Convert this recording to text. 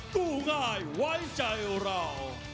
กูไงไว้ใจเรา